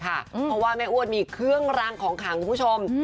เพราะว่าแม่อ้วนมีเครื่องรางของขังคุณผู้ชม